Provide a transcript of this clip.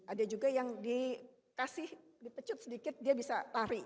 ada juga yang dikasih dipecut sedikit dia bisa lari